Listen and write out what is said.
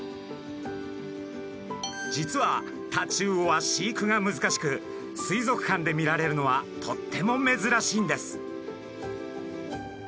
実はタチウオは飼育が難しく水族館で見られるのはとっても珍しいんです。